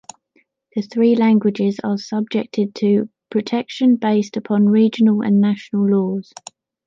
The three languages are subjected to protection based upon regional and national laws.